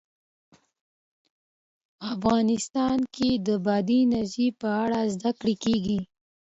افغانستان کې د بادي انرژي په اړه زده کړه کېږي.